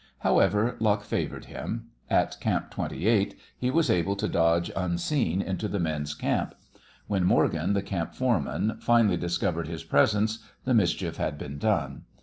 However, luck favoured him. At Camp Twenty eight he was able to dodge unseen into the men's camp. When Morgan, the camp foreman, finally discovered his presence, the mischief had been done.